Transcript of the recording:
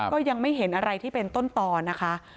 ก็ยังไม่เห็นอะไรที่เป็นต้นต่อนะคะ